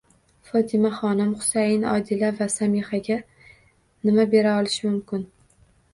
Fotimaxonim Husayin, Odila va Samihaga nima bera olishi mumkin?